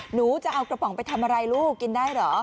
หนูจะเอากระป๋องไปทำอะไรลูกกินได้เหรอ